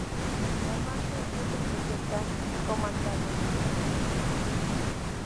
Normalmente se presentan como antagonistas de los X-Men.